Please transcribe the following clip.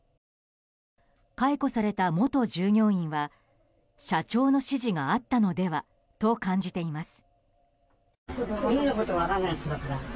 解雇された元従業員は社長の指示があったのではと感じています。